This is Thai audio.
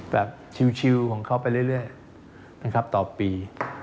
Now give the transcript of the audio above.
แบบชิวของเขาไปเรื่อยต่อปี